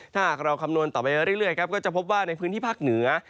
ถ้าหากเราคำนวณต่อไปเรื่อยครับก็จะพบว่าในพื้นที่ภาคเหนือ